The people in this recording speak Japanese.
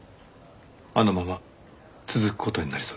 あのまま続く事になりそうですが。